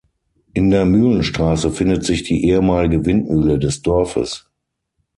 In der Mühlenstraße findet sich die ehemalige Windmühle des Dorfes.